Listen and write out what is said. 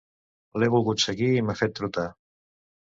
L'he volgut seguir i m'ha fet trotar!